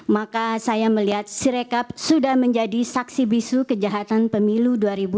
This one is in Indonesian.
maka saya melihat sirekap sudah menjadi saksi bisu kejahatan pemilu dua ribu dua puluh